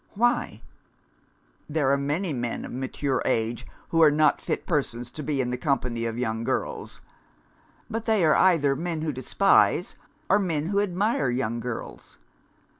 Why? There are many men of mature age, who are not fit persons to be in the company of young girls but they are either men who despise, or men who admire, young girls.